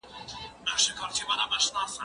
زه هره ورځ کتابتون ته راځم!؟